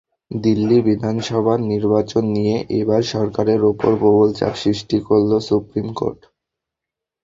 দিল্লি বিধানসভার নির্বাচন নিয়ে এবার সরকারের ওপর প্রবল চাপ সৃষ্টি করল সুপ্রিম কোর্ট।